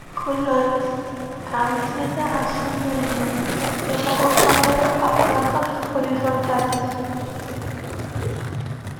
Colores: Camiseta azul marino y rojo sangre a franjas horizontales.